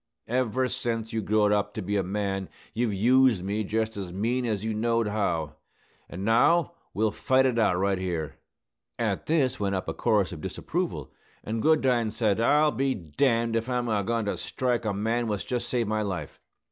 Ever sence you growed up to be a man you've used me just as mean as you knowed how; an' now we'll fight it out right here." At this went up a chorus of disapproval: and Goodine said, "I'll be d d if I'm a goin to strike the man what's jest saved my life!"